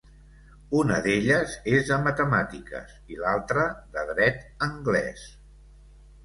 Una d'elles és de matemàtiques i l'altra de dret anglès.